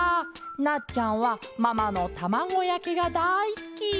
なっちゃんはママのたまごやきがだいすき」。